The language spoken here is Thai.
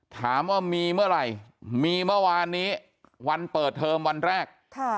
ถามว่ามีเมื่อไหร่มีเมื่อวานนี้วันเปิดเทอมวันแรก